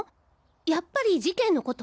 やっぱり事件のこと？